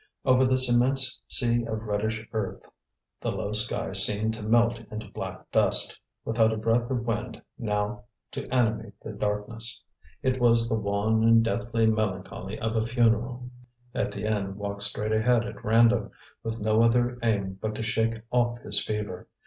Over this immense sea of reddish earth the low sky seemed to melt into black dust, without a breath of wind now to animate the darkness. It was the wan and deathly melancholy of a funeral. Étienne walked straight ahead at random, with no other aim but to shake off his fever.